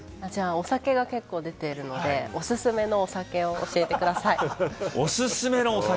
お酒が出てるので、おすすめのお酒を教えてください。